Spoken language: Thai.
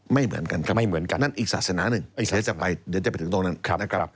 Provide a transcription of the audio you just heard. ไม่เหมือนกันครับนั่นอีกศาสนาหนึ่งเดี๋ยวจะไปถึงตรงนั้น